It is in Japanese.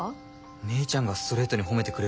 姉ちゃんがストレートに褒めてくれるとか。